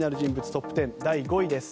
トップ１０第５位です。